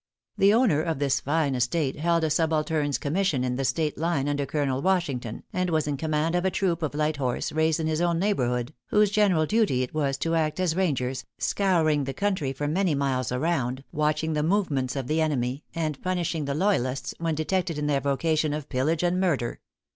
The owner of this fine estate held a subaltern's commission in the State line under Colonel Washington, and was in command of a troop of light horse, raised in his own neighborhood, whose general duty it was to act as Rangers, scouring the country for many miles around, watching the movements of the enemy, and punishing the loyalists when detected in their vocation of pillage and murder.